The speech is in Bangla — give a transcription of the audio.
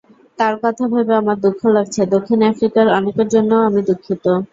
তার কথা ভেবে আমার দুঃখ লাগছে, দক্ষিণ আফ্রিকার অনেকের জন্যও আমি দুঃখিত।